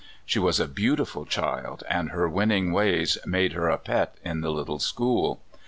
She was a beautiful child, and her winning ways made her a pet in the little school.